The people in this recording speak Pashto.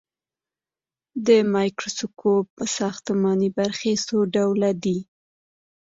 د مایکروسکوپ ساختماني برخې څو ډوله دي.